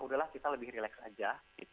udahlah kita lebih relax aja